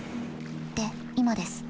で今です。